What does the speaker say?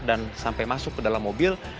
dan sampai masuk ke dalam mobil